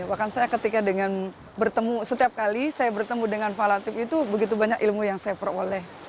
bahkan saya ketika dengan bertemu setiap kali saya bertemu dengan pak latif itu begitu banyak ilmu yang saya peroleh